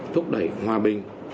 thúc đẩy hòa bình